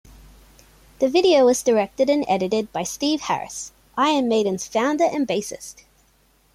The video was directed and edited by Steve Harris, Iron Maiden's founder and bassist.